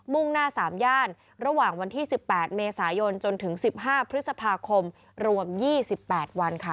มุ่งหน้าสามย่านระหว่างวันที่สิบแปดเมษายนจนถึงสิบห้าพฤษภาคมรวมยี่สิบแปดวันค่ะ